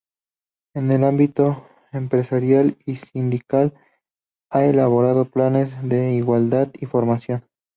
En el ámbito empresarial y sindical ha elaborado planes de igualdad y formación.